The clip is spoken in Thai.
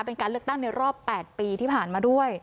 เป็นการเลือกตั้งในรอบ๘ปีที่ผ่านมาด้วย